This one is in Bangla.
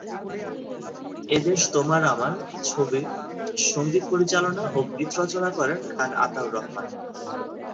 এ দেশ তোমার আমার ছবির সংগীত পরিচালনা ও গীত রচনা করেন খান আতাউর রহমান।